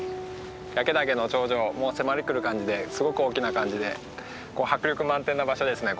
焼岳の頂上迫り来る感じですごく大きな感じで迫力満点な場所ですね